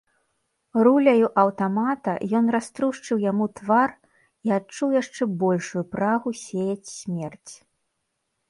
Руляю аўтамата ён раструшчыў яму твар і адчуў яшчэ большую прагу сеяць смерць.